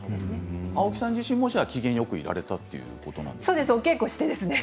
青木さん自身も機嫌よくいられたっていうことなんですかね。